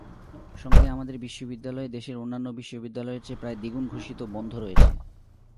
সঙ্গে আমাদের বিশ্ববিদ্যালয়ে দেশের অন্যান্য বিশ্ববিদ্যালয়ের চেয়ে প্রায় দ্বিগুণ ঘোষিত বন্ধ রয়েছে।